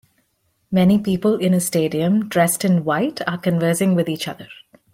Many people in a stadium dressed in white are conversing with each other.